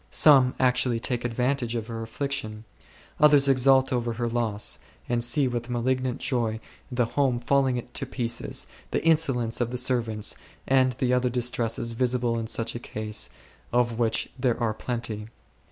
Some actually take advantage of her affliction. Others exult over her loss,, and see with malignant joy the home falling to pieces, the insolence of the servants, and the other distresses visible in such a case, of which there are plenty.